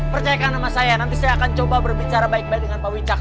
percayakan sama saya nanti saya akan coba berbicara baik baik dengan pak wicak